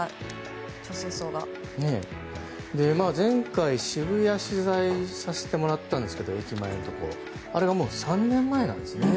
前回、渋谷を取材させてもらったんですけどあれはもう３年前なんですね。